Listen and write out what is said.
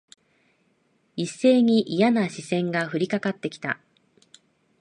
一斉にいやな視線が降りかかって来た。